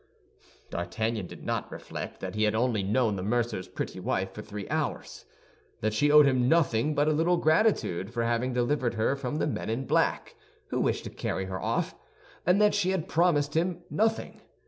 D'Artagnan did not reflect that he had only known the mercer's pretty wife for three hours; that she owed him nothing but a little gratitude for having delivered her from the men in black, who wished to carry her off, and that she had promised him nothing.